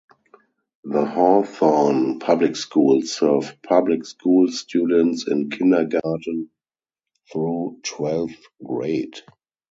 The Hawthorne Public Schools serve public school students in kindergarten through twelfth grade.